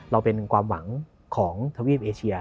เราเป็นความหวังของทวีปเอเชีย